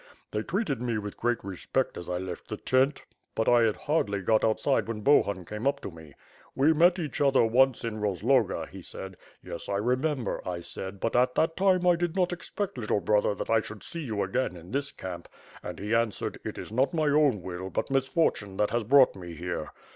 They treated me with great respect as I left the tent, but 1 had hardly got outside when Bohun came up to me, 'We met each other once in Rozloga,' he said. 'Yes, I remember,' I said, 'but at that time I did not expect, little brother, that I should see you again in this camp,' and he answered, 'It is not my own will, but misfortune that has brought me here.'